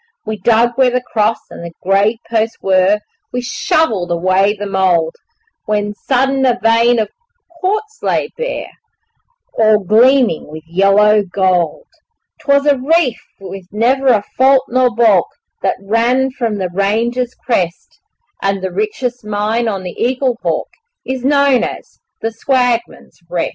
We dug where the cross and the grave posts were, We shovelled away the mould, When sudden a vein of quartz lay bare All gleaming with yellow gold. 'Twas a reef with never a fault nor baulk That ran from the range's crest, And the richest mine on the Eaglehawk Is known as 'The Swagman's Rest'.